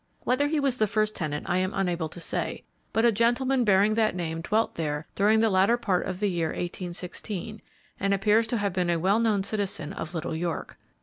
Whether he was the first tenant I am unable to say, but a gentleman bearing that name dwelt there during the latter part of the year 1816, and appears to have been a well known citizen of Little York.